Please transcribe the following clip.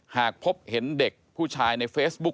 หากพบเห็นเด็กผู้ชายในเฟซบุ๊ค